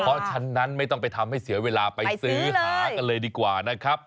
เพราะฉะนั้นไม่ต้องไปทำให้เสียเวลาไปซื้อหากันเลยดีกว่านะครับ